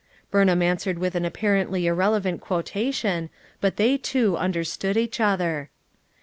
Burnham answered with an apparently ir relevant quotation, but they two understood each other.